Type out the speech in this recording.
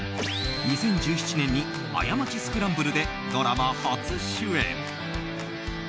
２０１７年に「過ちスクランブル」でドラマ初主演。